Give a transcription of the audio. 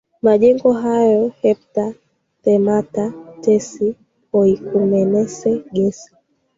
majengo hayo hepta theamata tes oikumenes ges